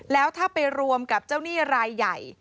แล้วถ้าไปรวมกับเจ้าหนี้รายใหญ่